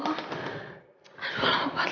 kamar yang praktis